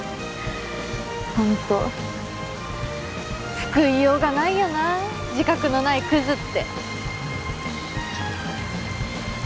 ほんと救いようがないよな自覚のないくずって。